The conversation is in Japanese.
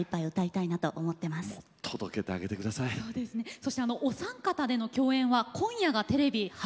そしてお三方での共演は今夜がテレビ初めてとなります。